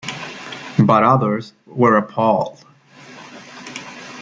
But others were appalled.